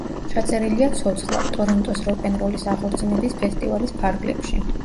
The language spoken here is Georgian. ჩაწერილია ცოცხლად ტორონტოს როკ-ენ-როლის აღორძინების ფესტივალის ფარგლებში.